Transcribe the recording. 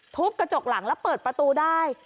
ทุบกระจกหลังแล้วเปิดประตูได้